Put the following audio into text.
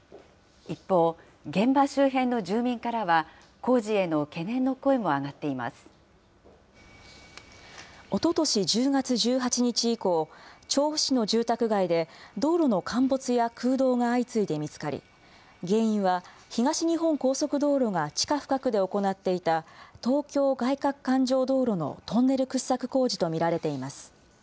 一方、現場周辺の住民からは、工事への懸念の声も上がっていまおととし１０月１８日以降、調布市の住宅街で道路の陥没や空洞が相次いで見つかり、原因は東日本高速道路が地下深くで行っていた東京外かく環状道路のトンネル掘削工事と見られています。